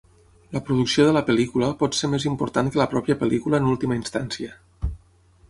La producció de la pel·lícula pot ser més important que la pròpia pel·lícula en última instància.